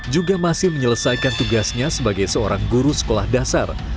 juga masih menyelesaikan tugasnya sebagai seorang guru sekolah dasar